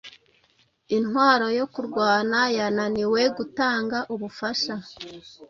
Intwaro yo kurwana yananiwe gutanga ubufasha